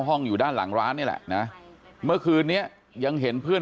ห้องอยู่ด้านหลังร้านนี่แหละนะเมื่อคืนนี้ยังเห็นเพื่อน